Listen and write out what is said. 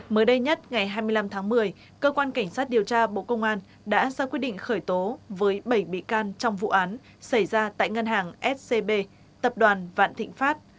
mới đây nhất ngày hai mươi năm tháng một mươi cơ quan cảnh sát điều tra bộ công an đã ra quyết định khởi tố với bảy bị can trong vụ án xảy ra tại ngân hàng scb tập đoàn vạn thịnh pháp